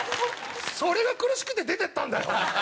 それが苦しくて出てったんだよ！